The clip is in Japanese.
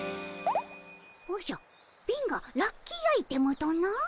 おじゃ貧がラッキーアイテムとな？